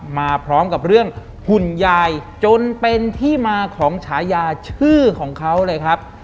มาพร้อมกับเรื่องหุ่นยายจนเป็นที่มาของฉายาชื่อของเขาเลยครับ